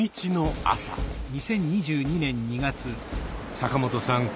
坂本さん